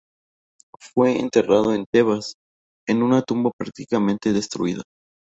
Fue enterrado en Tebas, en una tumba prácticamente destruida.